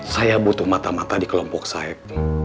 saya butuh mata mata di kelompok sayap